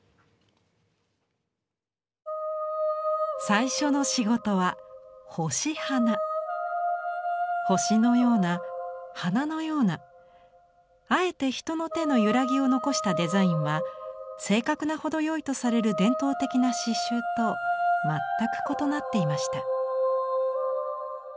最初の仕事は星のような花のようなあえて人の手のゆらぎを残したデザインは正確なほどよいとされる伝統的な刺しゅうと全く異なっていました。